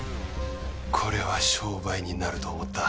これは商売になると思った。